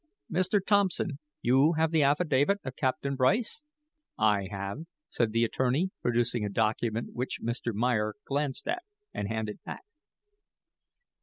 Mr. Thompson, you have the affidavit of Captain Bryce?" "I have," said the attorney, producing a document which Mr. Meyer glanced at and handed back.